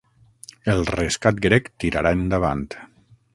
El rescat grec tirarà endavant